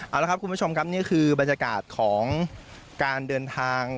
เอาละครับคุณผู้ชมครับนี่คือบรรยากาศของการเดินทาง